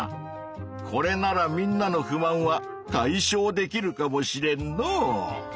これならみんなの不満は解消できるかもしれんのう。